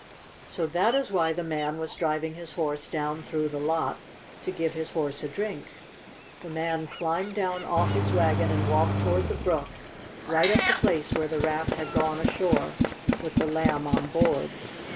So that is why the man was driving his horse down through the lot to give his horse a drink. The man climbed down off his wagon and walked toward the brook, right at the place where the raft had gone ashore with the Lamb on board.